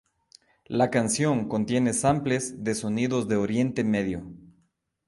La canción contiene samples de sonidos de Oriente Medio.